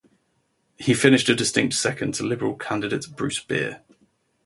He finished a distant second to Liberal candidate Bruce Beer.